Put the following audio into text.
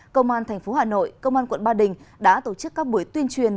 công an thành phố hà nội công an quận ba đình đã tổ chức các buổi tuyên truyền